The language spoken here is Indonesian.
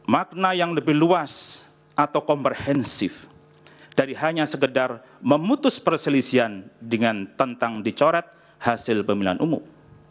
makna yang lebih luas atau komprehensif dari hanya segedar memutus perselisihan dengan tentang dicoret hasil pemilihan umum